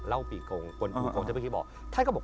เหล่าปีกงบนผู้กงจะไปคิดบอก